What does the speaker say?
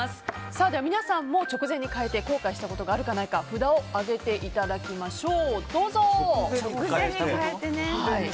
では皆さんも、直前に変えて後悔したことがあるかないか札を上げていただきましょう。